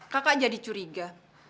kakak jadi curiga